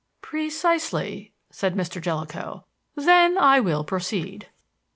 "Precisely," said Mr. Jellicoe, "then I will proceed."